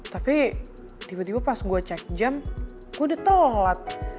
tapi tiba tiba pas gue cek jam ku udah telat